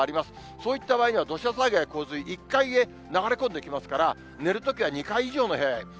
そういった場合には、土砂災害、洪水、１階へ流れ込んできますから、寝るときは２階以上の部屋へ。